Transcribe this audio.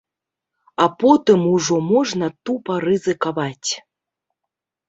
А потым ужо можна тупа рызыкаваць.